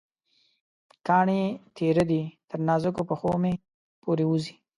کاڼې تېره دي، تر نازکو پښومې پورې وځي